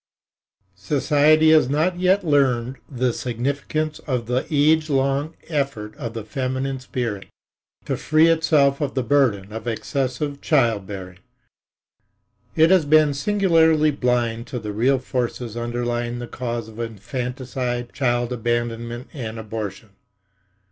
SOCIETY has not yet learned the significance of the age long effort of the feminine spirit to free itself of the burden of excessive childbearing. It has been singularly blind to the real forces underlying the cause of infanticide, child abandonment and abortion.